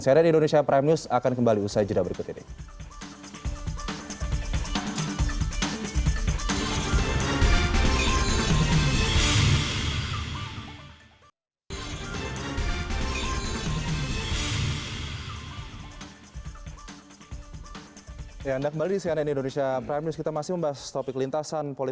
saya reddy indonesia prime news akan kembali usai jeda berikut ini